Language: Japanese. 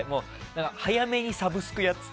早めにサブスクやってた。